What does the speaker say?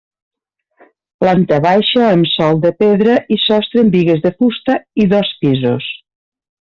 Planta baixa amb sòl de pedra i sostre amb bigues de fusta, i dos pisos.